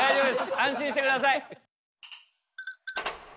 安心してください。